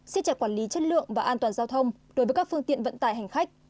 xếp chặt quản lý chất lượng và an toàn giao thông đối với các phương tiện vận tải hành khách